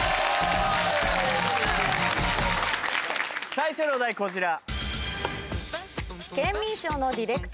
最初のお題こちら。